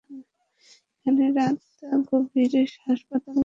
এখানে রাত গভীরে হাসপাতালগুলোয় নার্সরা টেবিলে মাথা নুইয়ে ঘুমিয়ে থাকেন না।